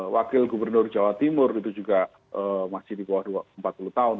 wakil gubernur jawa timur itu juga masih di bawah empat puluh tahun